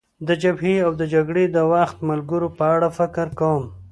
د جبهې او د جګړې د وخت ملګرو په اړه فکر کوم.